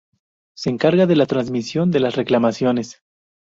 Se encarga de la tramitación de las reclamaciones.